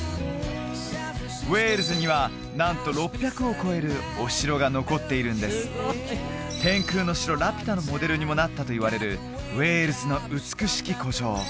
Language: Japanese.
ウェールズにはなんと６００を超えるお城が残っているんです「天空の城ラピュタ」のモデルにもなったといわれるウェールズの美しき古城